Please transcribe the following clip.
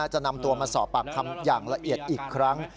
จะนำตัวมาสอบปากคำอย่างละเอียดอีกครั้ง